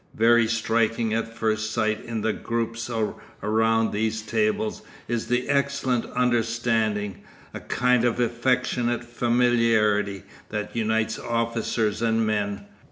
Very striking at first sight in the groups around these tables is the excellent understanding, a kind of affectionate familiarity, that unites officers and men.